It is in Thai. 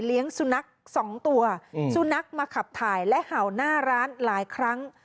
สุนัขสองตัวสุนัขมาขับถ่ายและเห่าหน้าร้านหลายครั้ง